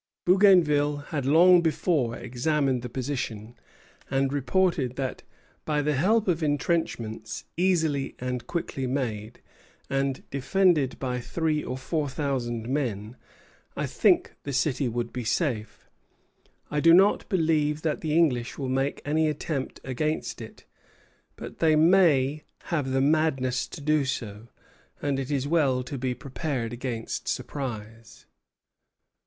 Bougainville had long before examined the position, and reported that "by the help of intrenchments, easily and quickly made, and defended by three or four thousand men, I think the city would be safe. I do not believe that the English will make any attempt against it; but they may have the madness to do so, and it is well to be prepared against surprise."